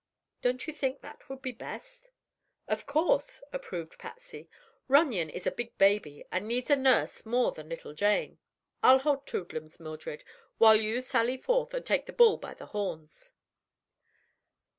Don't you think that would be best?" "Of course," approved Patsy. "Runyon is a big baby, and needs a nurse more than little Jane. I'll hold Toodlums, Mildred, while you sally forth and take the bull by the horns."